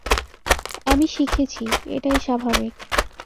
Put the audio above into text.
আমি শিখেছি, এটাই স্বাভাবিক।